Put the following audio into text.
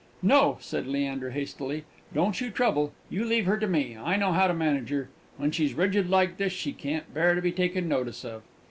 "No," said Leander, hastily. "Don't you trouble you leave her to me. I know how to manage her. When she's rigid like this, she can't bear to be taken notice of."